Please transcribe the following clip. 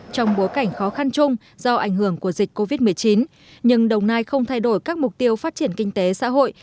trong bối cảnh khó khăn chung do ảnh hưởng của dịch covid một mươi chín nhưng đồng nai không thay đổi các mục tiêu phát triển kinh tế xã hội